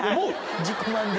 自己満で？